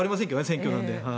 選挙なので。